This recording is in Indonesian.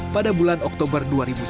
pada bulan oktober dua ribu sembilan belas